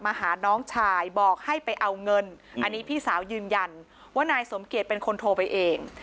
มาหาน้องชายบอกให้ไปเอาเงินอันนี้พี่สาวยืนยันว่านายสมเกียจเป็นคนโทรไปเอง